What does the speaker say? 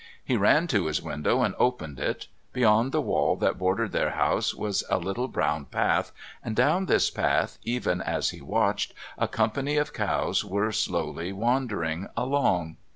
He ran to his window and opened it. Beyond the wall that bordered their house was a little brown path, and down this path, even as he watched, a company of cows were slowly wandering along.